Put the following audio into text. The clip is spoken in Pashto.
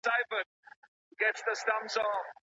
د پرمختګ زینه یوازي په استعداد سره نه سي وهل کېدلای.